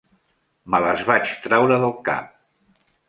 Me les vaig traure del cap.